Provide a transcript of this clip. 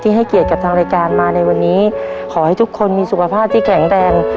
ให้เกียรติกับทางรายการมาในวันนี้ขอให้ทุกคนมีสุขภาพที่แข็งแรง